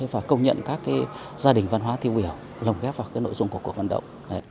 và công nhận các gia đình văn hóa tiêu biểu lồng ghép vào nội dung của cuộc vận động